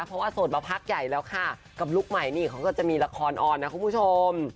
เพราะว่าโสดมาพักใหญ่แล้วค่ะกับลุคใหม่นี่เขาก็จะมีละครออนนะคุณผู้ชม